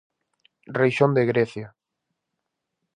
Rexión de Grecia.